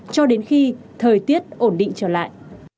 cho đến khi thời tiết ổn định trở lại